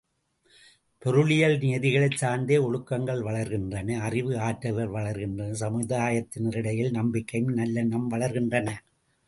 பொருளியல் நியதிகளைச் சார்ந்தே ஒழுக்கங்கள் வளர்கின்றன அறிவு, ஆற்றல்கள் வளர்கின்றன சமுதாயத்தினரிடையில் நம்பிக்கையும், நல்லெண்ணமும் வளர்கின்றன.